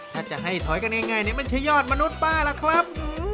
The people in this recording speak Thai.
ถ้าจะให้ถอยกันง่ายเนี่ยมันใช่ยอดมนุษย์ป้าล่ะครับ